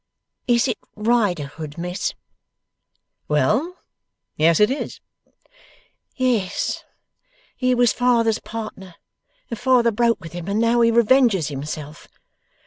Is it Riderhood, Miss?' 'Well; yes it is.' 'Yes! He was father's partner, and father broke with him, and now he revenges himself.